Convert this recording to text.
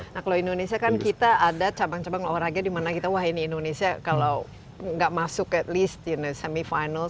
nah kalau indonesia kan kita ada cabang cabang olahraga dimana kita wah ini indonesia kalau nggak masuk at least semifinal